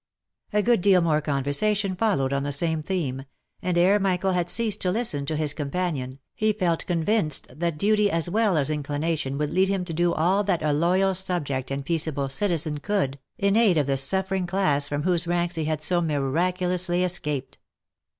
A good deal more conversation followed on the same theme, and ere Michael had ceased to listen to his companion, he felt convinced that duty as well as inclination would lead him to do all that a loyal subject and peaceable citizen could, in aid of the suffering class from whose ranks he had so miraculously escaped.